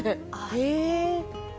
へえ。